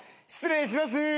・失礼します。